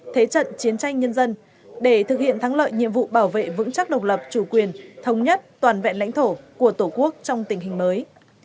thế trận chiến tranh nhân dân để thực hiện thắng lợi nhiệm vụ bảo vệ vững chắc độc lập chủ quyền thống nhất toàn vẹn lãnh thổ của tổ quốc trong tình hình mới